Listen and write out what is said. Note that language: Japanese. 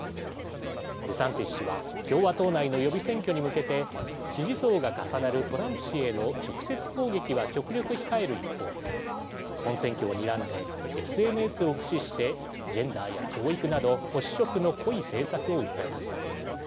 デサンティス氏は共和党内の予備選挙に向けて支持層が重なるトランプ氏への直接攻撃は極力控える一方本選挙をにらんでＳＮＳを駆使してジェンダーや教育など保守色の濃い政策を訴えます。